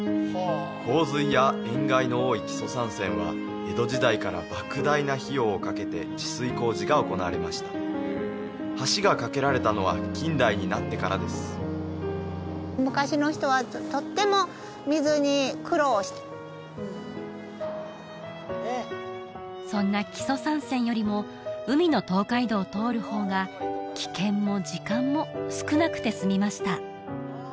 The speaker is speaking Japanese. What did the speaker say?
洪水や塩害の多い木曽三川は江戸時代から莫大な費用をかけて治水工事が行われました橋が架けられたのは近代になってからです昔の人はとっても水に苦労したそんな木曽三川よりも海の東海道を通る方が危険も時間も少なくて済みました